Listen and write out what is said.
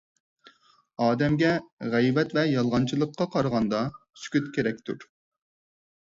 ئادەمگە غەيۋەت ۋە يالغانچىلىققا قارىغاندا، سۈكۈت كېرەكتۇر.